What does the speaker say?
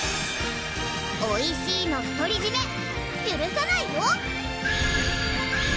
おいしいの独り占めゆるさないよ！